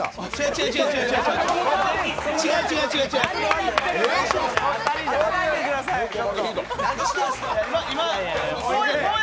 違う、違う、違う！